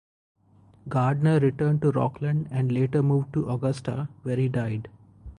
Gardner returned to Rockland and later moved to Augusta, where he died.